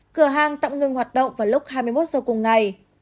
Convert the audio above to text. cửa hàng tậm ngưng hoạt động vào lúc hai mươi một giờ cùng ngày